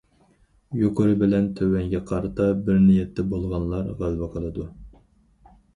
يۇقىرى بىلەن تۆۋەنگە قارىتا بىر نىيەتتە بولغانلار غەلىبە قىلىدۇ.